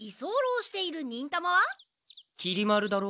きり丸だろ？